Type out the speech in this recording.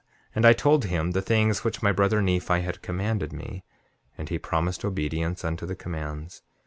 And I told him the things which my brother Nephi had commanded me, and he promised obedience unto the commands.